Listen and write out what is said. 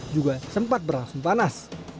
juga sempat berlangsung panas